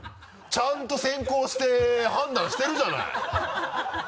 ちゃんと選考して判断してるじゃない。